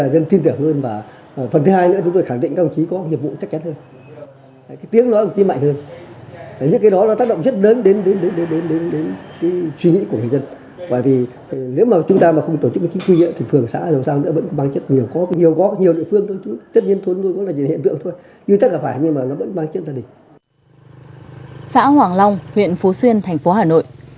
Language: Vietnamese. xã hoàng long huyện phú xuyên thành phố hà nội